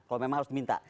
kalau memang harus diminta